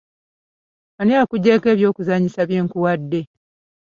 Ani akuggyeeko ebyokuzannyisa bye nkuwadde?